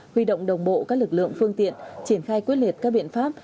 huy động đồng bộ các lực lượng phương tiện triển khai quyết liệt các biện pháp